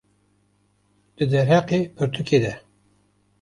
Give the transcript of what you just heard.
di derheqê pirtûkê de